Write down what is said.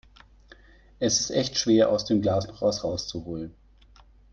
Es ist echt schwer aus dem Glas noch was rauszuholen